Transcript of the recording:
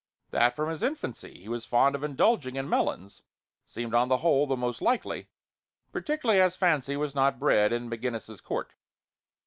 That from his infancy he was fond of indulging in melons seemed on the whole the most likely, particularly as Fancy was not bred in McGinnis's Court.